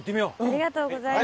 ありがとうございます！